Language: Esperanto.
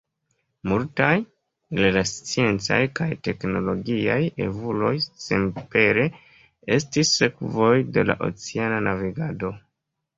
Multaj el la sciencaj kaj teknologiaj evoluoj senpere estis sekvoj de la oceana navigado.